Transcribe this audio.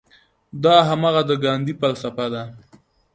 دا هماغه د ګاندي فلسفه ده.